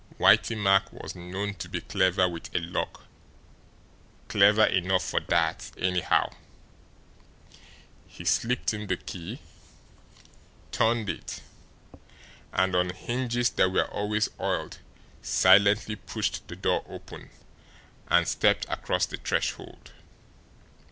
Whitey Mack was known to be clever with a lock clever enough for that, anyhow. He slipped in the key, turned it, and, on hinges that were always oiled, silently pushed the door open and stepped across the threshold.